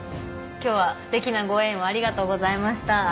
今日は素敵なご縁をありがとうございました。